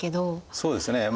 そうですね。